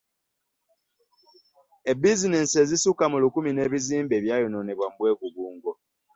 Ebizinensi ezisukka mu lukumi n'ebizimbe byayonoonebwa mu bwegugungo.